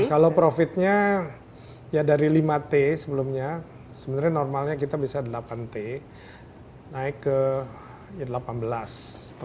kalau profitnya ya dari lima t sebelumnya sebenarnya normalnya kita bisa delapan t naik ke delapan belas